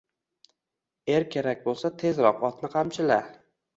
Er kerak bo'lsa, tezroq otni qamchila